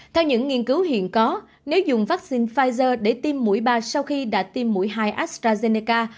theo những nghiên cứu hiện có nếu dùng vaccine pfizer để tiêm mũi ba sau khi đã tiêm mũi hai astrazeneca